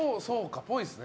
っぽいですね。